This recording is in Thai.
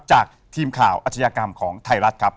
จากทีมข่าวอาชญากรรมของไทยรัฐครับ